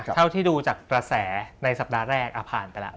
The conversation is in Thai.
เท่าที่ดูจากกระแสในสัปดาห์แรกผ่านไปแล้ว